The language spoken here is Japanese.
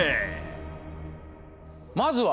まずは。